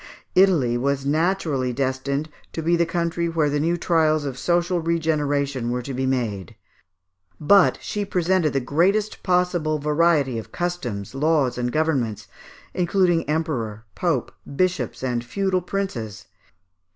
Italy was naturally destined to be the country where the new trials of social regeneration were to be made; but she presented the greatest possible variety of customs, laws, and governments, including Emperor, Pope, bishops, and feudal princes.